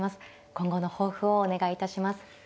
今後の抱負をお願いいたします。